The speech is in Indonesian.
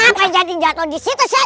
ngapain jatuh di situ si